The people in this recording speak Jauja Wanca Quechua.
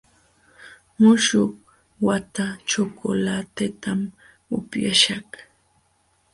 Muśhuq wata chocolatetam upyaśhaq.